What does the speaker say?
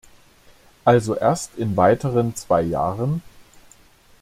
Also erst in weiteren zwei Jahren?